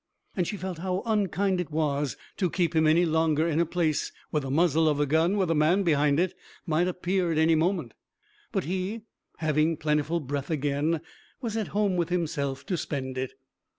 And she felt how unkind it was to keep him any longer in a place where the muzzle of a gun, with a man behind it, might appear at any moment. But he, having plentiful breath again, was at home with himself to spend it.